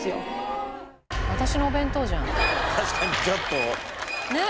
確かにちょっと。ねえ？